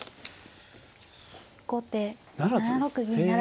後手７六銀不成。